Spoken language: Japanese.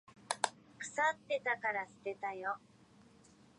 腐ってたから捨てたよ。